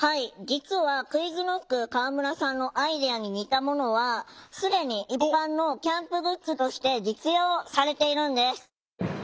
実はＱｕｉｚＫｎｏｃｋ河村さんのアイデアに似たものは既に一般のキャンプグッズとして実用されているんです。